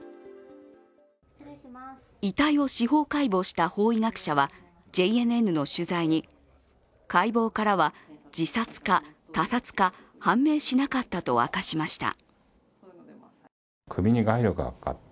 遺体を司法解剖した法医学者はＪＮＮの取材に解剖からは、自殺か他殺か判明しなかったと明かしました。